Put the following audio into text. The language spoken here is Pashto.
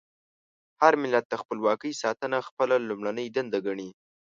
هر ملت د خپلواکۍ ساتنه خپله لومړنۍ دنده ګڼي.